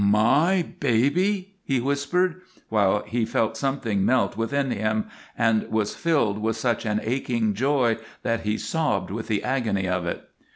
"My baby!" he whispered, while he felt something melt within him and was filled with such an aching joy that he sobbed with the agony of it.